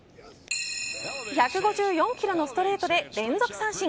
１５４キロのストレートで連続三振。